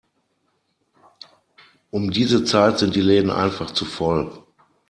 Um diese Zeit sind die Läden einfach zu voll.